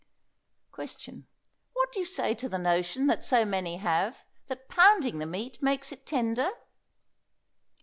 Question. What do you say to the notion that so many have, that pounding the meat makes it tender?